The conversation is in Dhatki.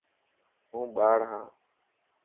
هون ٻاڙ هان.